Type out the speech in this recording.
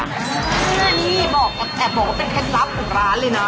นี่แอบบอกว่าเป็นเคล็ดลับของร้านเลยนะ